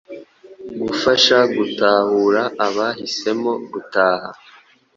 gufasha gutahura abahisemo gutaha